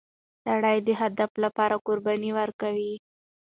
سړی د هدف لپاره قرباني ورکوي